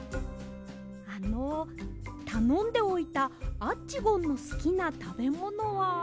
あのたのんでおいたアッチゴンのすきなたべものは。